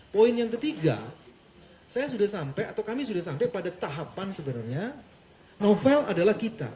poin yang ketiga saya sudah sampai atau kami sudah sampai pada tahapan sebenarnya novel adalah kita